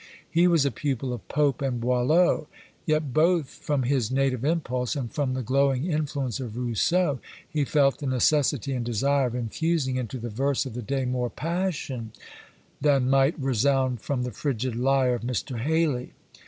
He was a pupil of Pope and Boileau, yet both from his native impulse and from the glowing influence of Rousseau, he felt the necessity and desire of infusing into the verse of the day more passion than might resound from the frigid lyre of Mr. Hayley.